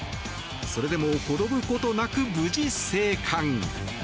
それでも転ぶことなく無事、生還。